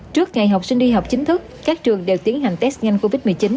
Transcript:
trước ngày học sinh đi học chính thức các trường đều tiến hành test nhanh covid một mươi chín